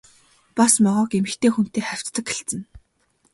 Бас могойг эмэгтэй хүнтэй хавьтдаг гэлцэнэ.